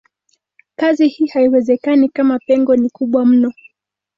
Kazi hii haiwezekani kama pengo ni kubwa mno.